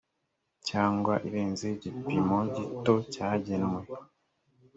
cyangwa irenze igipimo gito cyagenwe